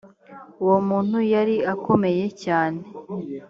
uwo muntu yari akomeye cyane